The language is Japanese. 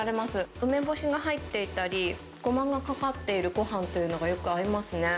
梅干しが入っていたり、ごまがかかっているごはんというのがよく合いますね。